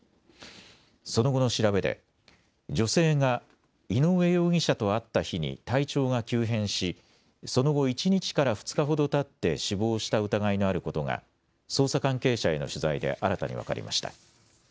その後の調べで女性が井上容疑者と会った日に体調が急変し、その後、１日から２日ほどたって死亡した疑いのあることが捜査関係者への取材で新たに分かりました。